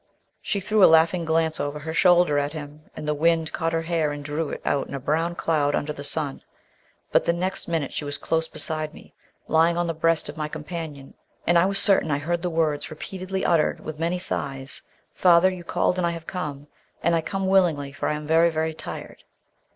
She threw a laughing glance over her shoulder at him, and the wind caught her hair and drew it out in a brown cloud under the sun. But the next minute she was close beside me, lying on the breast of my companion, and I was certain I heard the words repeatedly uttered with many sighs: "Father, you called, and I have come. And I come willingly, for I am very, very tired."